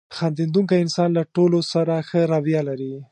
• خندېدونکی انسان له ټولو سره ښه رویه لري.